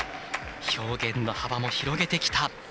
表現の幅も広げてきた。